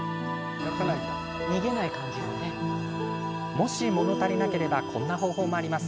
もし、もの足りなければこんな方法もあります。